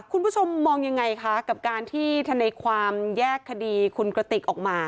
คุณผู้ชมมองยังไงคะกับการที่ธนายความแยกคดีคุณกระติกออกมา